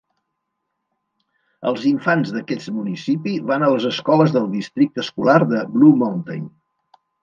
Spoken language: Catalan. Els infants d'aquest municipi van a les escoles del districte escolar de Blue Mountain.